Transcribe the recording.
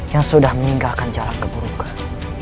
yang sudah meninggalkan jalan keburukan